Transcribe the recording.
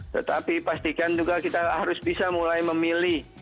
tetapi pastikan juga kita harus bisa mulai memilih